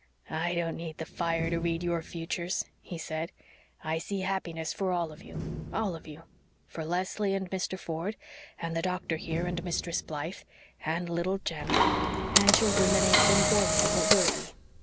"I don't need the fire to read your futures," he said. "I see happiness for all of you all of you for Leslie and Mr. Ford and the doctor here and Mistress Blythe and Little Jem and children that ain't born yet but will be.